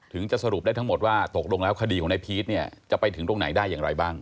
จะสรุปได้ทั้งหมดว่าตกลงแล้วคดีของนายพีชเนี่ยจะไปถึงตรงไหนได้อย่างไรบ้าง